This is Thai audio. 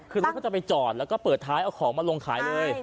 คือรถก็จะไปจอดแล้วก็เปิดท้ายเอาของมาลงขายเลย